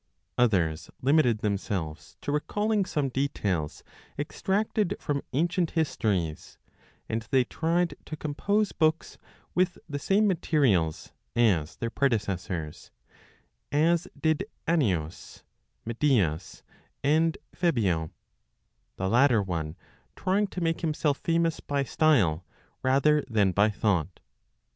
Others limited themselves to recalling some details extracted from ancient histories, and they tried to compose books with the same materials as their predecessors, as did Annius, Medius, and Phebio; the latter one trying to make himself famous by style, rather than by thought.